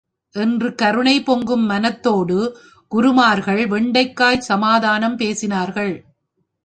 என்று கருணை பொங்கும் மனத்தோடு குருமார்கள் வெண்டைக்காய் சமாதானம் பேசினார்கள்!